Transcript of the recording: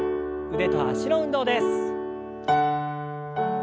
腕と脚の運動です。